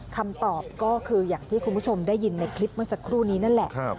คำตอบก็คืออย่างที่คุณผู้ชมได้ยินในคลิปเมื่อสักครู่นี้นั่นแหละ